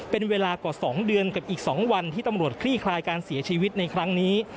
เป็นเวลากว่า๒เดือนกับอีก๒วันที่ตำรวจคลี่คลายการเสียชีวิตในครั้งนี้